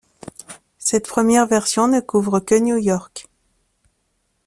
Cette première version ne couvre que New York.